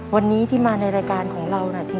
วันนี้ที่มาในรายการของเราน่ะ